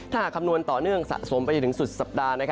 ถ้าหากคำนวณต่อเนื่องสะสมไปจนถึงสุดสัปดาห์